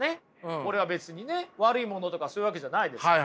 これは別にね悪いものとかそういうわけじゃないですから。